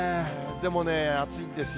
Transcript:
でもね、暑いんですよ。